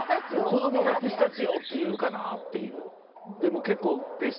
子供がピスタチオ！って言うかなって。